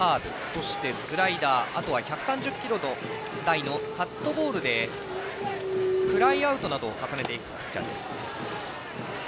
そしてスライダーあとは１３０キロ台のカットボールでフライアウトなどを重ねていくピッチャー。